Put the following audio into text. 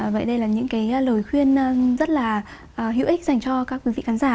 vậy đây là những cái lời khuyên rất là hữu ích dành cho các quý vị khán giả